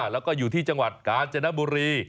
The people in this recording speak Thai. แล้วก็อยู่ที่จังหวัดกาญจนบุรี